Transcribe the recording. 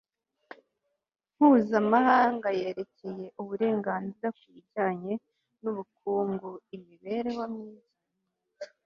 mpuzamahanga yerekeye uburenganzira ku bijyanye n ubukungu imibereho myiza n umuco